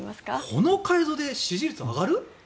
この改造で支持率、上がる？